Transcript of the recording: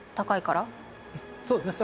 そうですね。